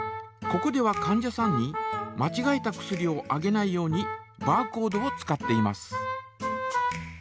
ここではかん者さんにまちがえた薬をあげないようにバーコードを使っています。